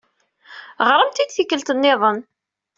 Ɣṛemt-it-id i tikkelt nniḍen.